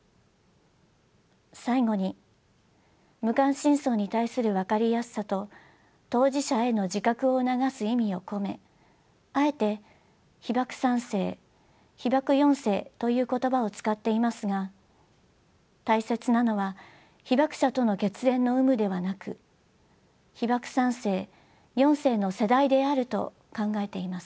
最後に無関心層に対する分かりやすさと当事者への自覚を促す意味を込めあえて被爆三世被爆四世という言葉を使っていますが大切なのは被爆者との血縁の有無ではなく被爆三世・四世の世代であると考えています。